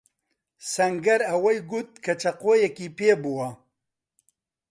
سەنگەر ئەوەی گوت کە چەقۆیەکی پێبووە.